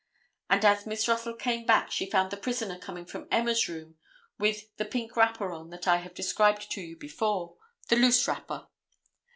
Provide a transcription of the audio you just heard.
And as Miss Russell came back she found the prisoner coming from Emma's room with the pink wrapper on that I have described to you before—the loose wrapper.